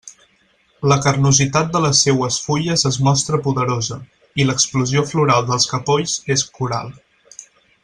La carnositat de les seues fulles es mostra poderosa, i l'explosió floral dels capolls és coral.